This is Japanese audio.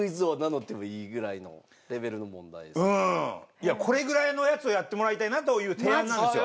いやこれぐらいのやつをやってもらいたいなという提案なんですよ。